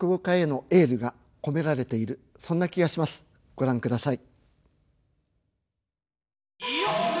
ご覧ください。